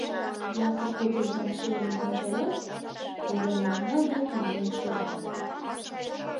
Япык кугызам шӧрын ончалят, урем окна дек миен шогале.